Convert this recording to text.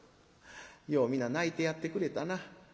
「よう皆泣いてやってくれたな。